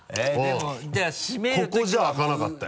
ここじゃ開かなかったよ